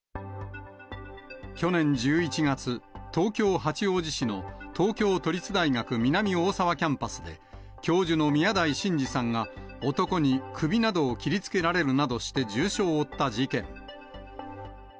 去年１１月、東京・八王子市の東京都立大学南大沢キャンパスで、教授の宮台真司さんが、男に首などを切りつけられるなどして重傷を負った事件。